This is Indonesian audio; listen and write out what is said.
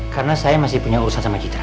karena saya masih punya urusan sama citra